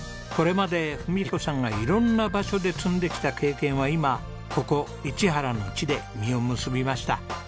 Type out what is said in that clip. これまで文彦さんが色んな場所で積んできた経験は今ここ市原の地で実を結びました。